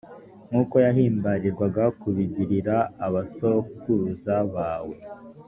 nk’uko yahimbarirwaga kubigirira abasokuruza bawe;